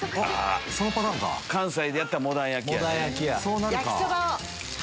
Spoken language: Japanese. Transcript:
関西でやったらモダン焼きやね。